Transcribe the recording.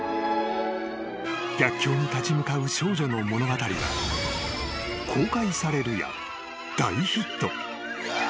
［逆境に立ち向かう少女の物語が公開されるや］